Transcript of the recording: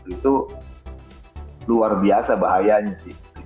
itu luar biasa bahayanya